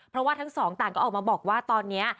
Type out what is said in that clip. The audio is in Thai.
เพราะว่าทั้งสองต่างก็ออกมาบอกว่าตอนนี้